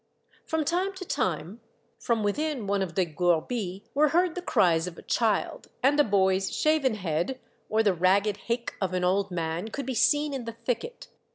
From time to time, from within one of the gourbis, were heard the cries of a child, and a boy's shaven head, or the ragged haik of an old man could be seen in the thicket.